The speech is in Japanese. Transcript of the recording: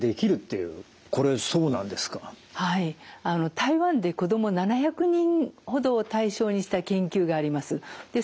台湾で子ども７００人ほどを対象にした研究があります。